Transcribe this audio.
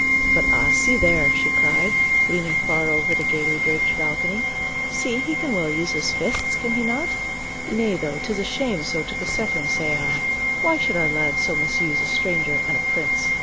But ah, see there!" she cried, leaning far over the gayly draped balcony; "see, he can well use his fists, can he not! Nay, though, 't is a shame so to beset him, say I. Why should our lads so misuse a stranger and a prince?"